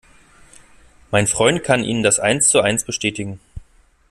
Mein Freund kann Ihnen das eins zu eins bestätigen.